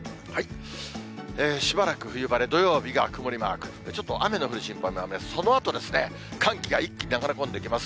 しばらく冬晴れ、土曜日が曇りマーク、ちょっと雨の降る心配もあるので、そのあとですね、寒気が一気に流れ込んできます。